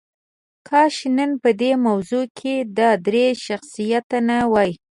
کاش نن په دې موضوع کې دا درې شخصیات نه وای.